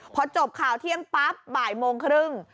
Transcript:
พอจบข่าวเที่ยงปั๊บบ่ายโมงครึ่ง